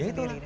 ya itu lah